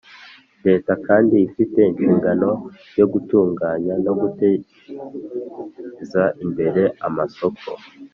Leta kandi ifite ishingano yo gutunganya no guteza imbere amasoko